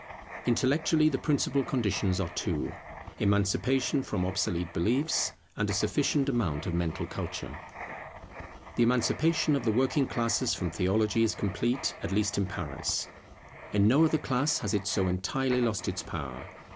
Intellectually the principal conditions are two; Emancipation from obsolete beliefs, and a sufficient amount of mental culture. The emancipation of the working classes from theology is complete, at least in Paris. In no other class has it so entirely lost its power.